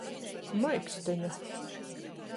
Maiksteņa.